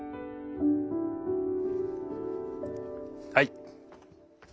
はい。